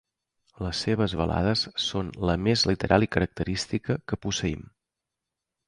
Les seves balades són la més literal i característica que posseïm.